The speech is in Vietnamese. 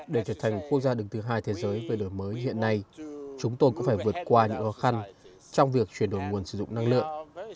để trở thành quốc gia đứng thứ hai thế giới về đổi mới hiện nay chúng tôi cũng phải vượt qua những khó khăn trong việc chuyển đổi nguồn sử dụng năng lượng